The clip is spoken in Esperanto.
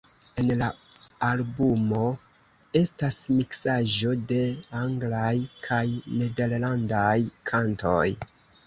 En la albumo estas miksaĵo de anglaj kaj nederlandaj kantoj.